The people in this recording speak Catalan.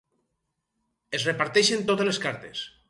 Es reparteixen totes les cartes.